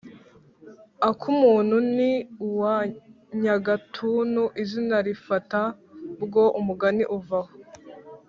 «akumuntu ni uwa nyagatuntu! izina lifata bwo; umugani uva aho.